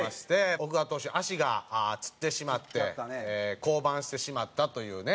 奥川投手足がつってしまって降板してしまったというね。